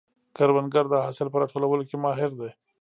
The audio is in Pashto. کروندګر د حاصل په راټولولو کې ماهر دی